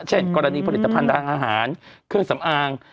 เช่นกรณีผลิตภัณฑ์ทางอาหารเครื่องสำอาง